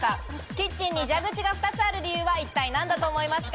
キッチンに蛇口が２つある理由は何だと思いますか。